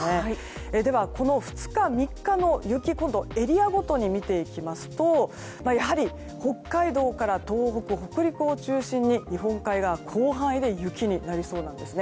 ではこの２日、３日の雪今度はエリアごとに見ていきますとやはり北海道から東北北陸を中心に日本海側広範囲で雪になりそうなんです。